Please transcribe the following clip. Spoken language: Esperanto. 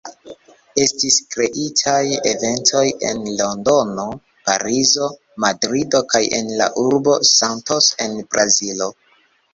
Estis kreitaj eventoj en Londono, Parizo, Madrido kaj en la urbo Santos en Brazilo.